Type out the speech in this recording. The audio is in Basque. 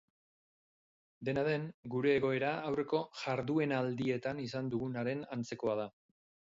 Dena den, gure egoera aurreko jarduenaldietan izan dugunaren antzekoa da.